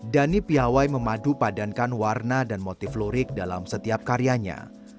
dani piawai memadu padankan warna dan motif lurik dalam setiap karyanya